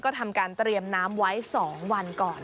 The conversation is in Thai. ก็ทำการเตรียมน้ำไว้๒วันก่อน